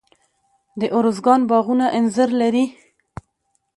د ارزګان باغونه انځر لري.